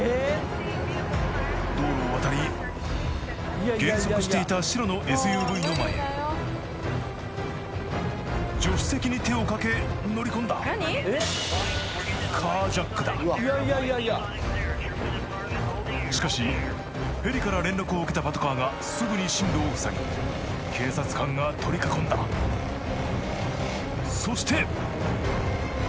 道路を渡り減速していた白のＳＵＶの前へ助手席に手をかけ乗り込んだしかしヘリから連絡を受けたパトカーがすぐに進路を塞ぎ警察官が取り囲んだそして！